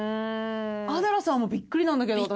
アデラさんもビックリなんだけど私。